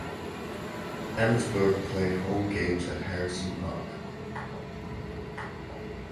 Emmetsburg played home games at Harrison Park.